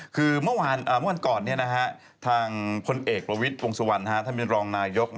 คือเมื่อก่อนทางคนเอกลวิทย์วงศวรรณท่านบินรองนายก